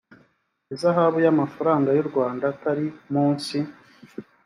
ihazabu y amafaranga y u rwanda atari munsi